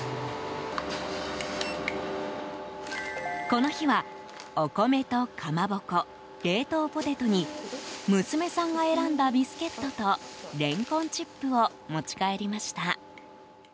この日は、お米とかまぼこ冷凍ポテトに娘さんが選んだビスケットとレンコンチップを持ち帰りました。